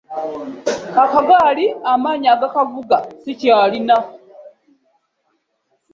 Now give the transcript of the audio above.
Akagaali amaanyi agakavuga ssikyalina.